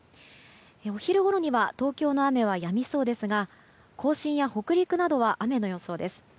お昼ごろには東京の雨はやみそうですが甲信や北陸などは雨の予想です。